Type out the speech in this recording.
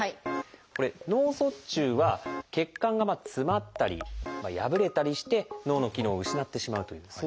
これ「脳卒中」は血管が詰まったり破れたりして脳の機能を失ってしまうというそういう病気です。